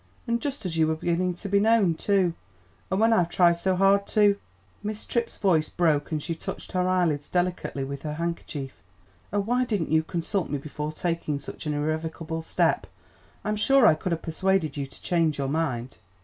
And just as you were beginning to be known, too; and when I've tried so hard to " Miss Tripp's voice broke, and she touched her eyelids delicately with her handkerchief. "Oh, why didn't you consult me before taking such an irrevocable step? I'm sure I could have persuaded you to change your mind."